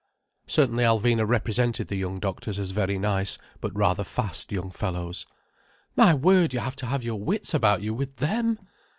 Certainly Alvina represented the young doctors as very nice, but rather fast young fellows. "My word, you have to have your wits about you with them!"